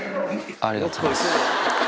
ありがとうございます。